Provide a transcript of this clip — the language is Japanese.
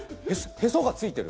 へそがついてる。